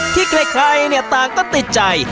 ที่ใครเนี่ยต่างก็ติดใจ